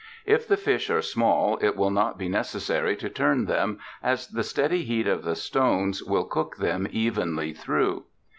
If the fish are small, it will not be necessary to turn them as the steady heat of the stones will cook them evenly through.